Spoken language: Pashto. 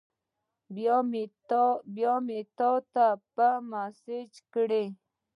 بیا مې تاته په میسج کړی